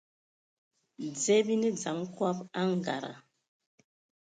Dze bi ne dzam kɔb a angada.